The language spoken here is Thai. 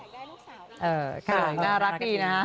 ได้ลูกสาวน่ารักอีกนะ